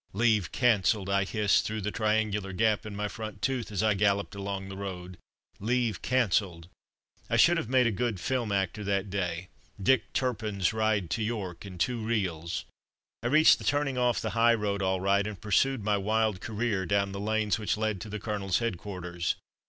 "Leave cancelled!" I hissed through the triangular gap in my front tooth, as I galloped along the road; "leave cancelled!" I should have made a good film actor that day: "Dick Turpin's ride to York" in two reels. I reached the turning off the high road all right, and pursued my wild career down the lanes which led to the Colonel's headquarters.